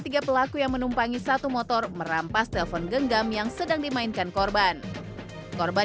tiga pelaku yang menumpangi satu motor merampas telpon genggam yang sedang dimainkan korban korban